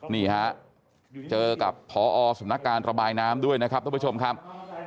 นี่ฮะเจอกับพอสำนักการระบายน้ำด้วยนะครับท่านผู้ชมครับ